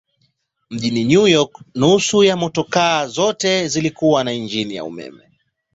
Mjini New York nusu ya motokaa zote zilikuwa na injini ya umeme.